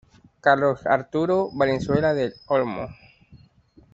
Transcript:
Carlos Arturo Valenzuela del Olmo